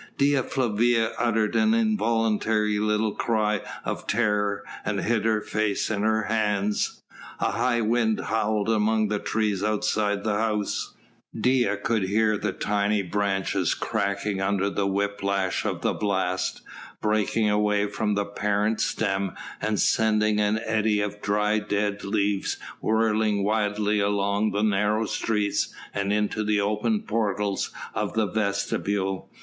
Dea Flavia uttered an involuntary little cry of terror, and hid her face in her hands. A high wind howled among the trees outside the house; Dea could hear the tiny branches cracking under the whip lash of the blast, breaking away from the parent stem and sending an eddy of dry dead leaves whirling wildly along the narrow streets and into the open portals of the vestibule.